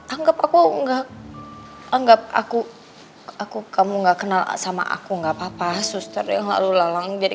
anggap aku enggak anggap aku aku kamu nggak kenal sama aku nggak papa suster yang lalu lalang jadi